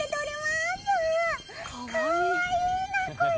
かわいいなこれ！